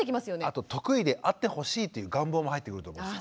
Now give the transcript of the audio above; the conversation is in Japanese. あと得意であってほしいという願望も入ってくると思います。